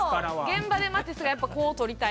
現場でマティスがやっぱこうとりたいみたいな。